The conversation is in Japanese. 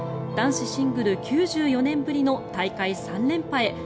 男子シングル９４年ぶりの大会３連覇へ。